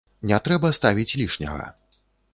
Не трэба ставіць лішняга.